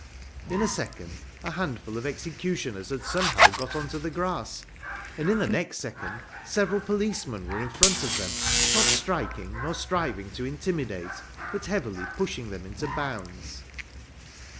In a second a handful of executioners had somehow got on to the grass. And in the next second several policemen were in front of them, not striking nor striving to intimidate, but heavily pushing them into bounds.